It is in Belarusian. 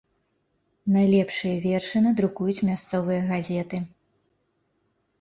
Найлепшыя вершы надрукуюць мясцовыя газеты.